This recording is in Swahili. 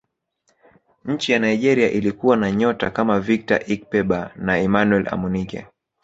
nchi ya nigeria ilikuwa na nyota kama victor ikpeba na emmanuel amunike